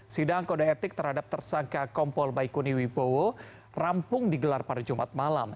sidang kode etik terhadap tersangka kompol baikuni wibowo rampung digelar pada jumat malam